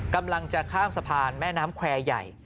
กำลังจะข้ามสะพานแม่น้ำแควร์ใหญ่